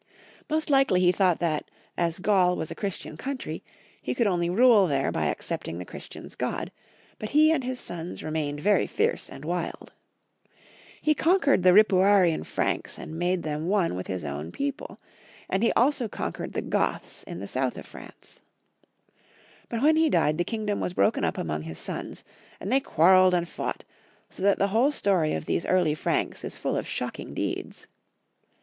Most likely he thought that, as Gaul was a Chris tian country, he could only rule there by accepting the Christian's God ; but he and liis sons remained very fierce and wild. He conquered the Ripuarian Franks and made them one with liis own people, ♦ The French call him Clovis, but he shall have his proper uaine here — Chlodwig, famous war. The Franks. 61 and he also conquered the Goths in the South of France. But when he died the kingdom was broken up among his sons, and they quarreled and fought, so that the whole story of these early Franks is full of shocking deeds.